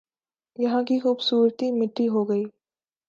یہاں کی خوبصورتی مٹی ہو گئی